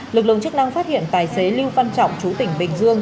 lực lượng chức năng phát hiện tài xế lưu văn trọng chú tỉnh bình dương